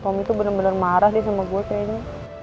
tommy tuh bener bener marah sih sama gue kayaknya